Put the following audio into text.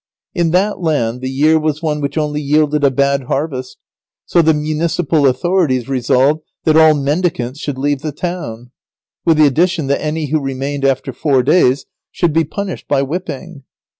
In that land the year was one which only yielded a bad harvest, so the municipal authorities resolved that all mendicants should leave the town; with the addition that any who remained after four days should be punished by whipping.